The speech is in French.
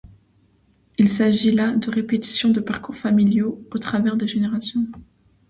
Il s'agit là de répétitions de parcours familiaux au travers des générations.